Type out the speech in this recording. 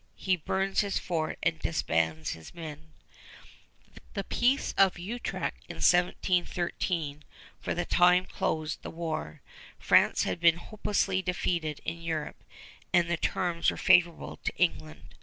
He burns his fort and disbands his men. The Peace of Utrecht in 1713 for the time closed the war. France had been hopelessly defeated in Europe, and the terms were favorable to England.